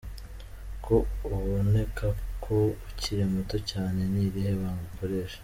ko uboneka ko ukiri muto cyane, ni irihe banga ukoresha?.